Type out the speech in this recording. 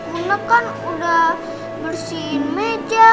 guna kan udah bersihin meja